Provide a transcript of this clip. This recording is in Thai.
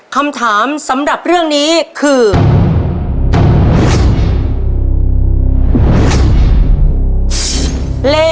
คำถามสำหรับเรื่องนี้คือ